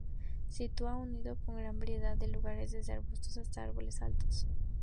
Sitúa su nido en una gran variedad de lugares desde arbustos hasta árboles altos.